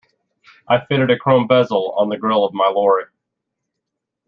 I fitted a chrome bezel on the grill of my lorry.